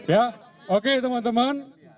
ya oke teman teman